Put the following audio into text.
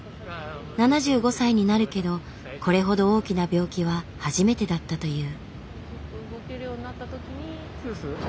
７５歳になるけどこれほど大きな病気は初めてだったという。